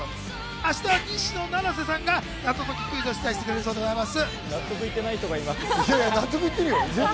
明日は西野七瀬さんが謎解きクイズを出題してくれるそうです。